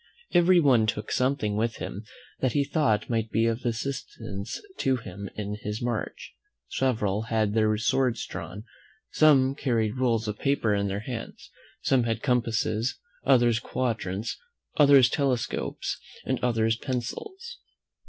Every one took something with him that he thought might be of assistance to him in his march. Several had their swords drawn, some carried rolls of paper in their hands, some had compasses, others quadrants, others telescopes, and others pencils.